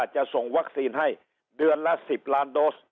จะส่งวัคซีนให้เดือนละ๑๐ล้านโดส